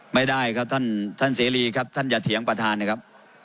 ไม่ได้ครับท่านท่านเสรีครับท่านอย่าเถียงประธานนะครับ